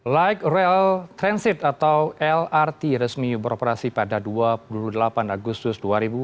light rail transit atau lrt resmi beroperasi pada dua puluh delapan agustus dua ribu dua puluh